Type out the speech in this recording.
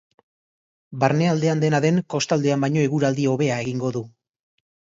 Barnealdean, dena den, kostaldean baino eguraldi hobea egingo du.